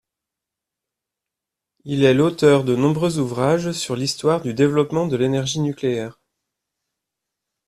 Il est l'auteur de nombreux ouvrages sur l'histoire du développement de l'énergie nucléaire.